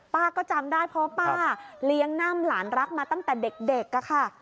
ป้าก็จำได้เพราะว่าป้าอยู่ที่นั่งล้านรักมาตั้งแต่เด็ก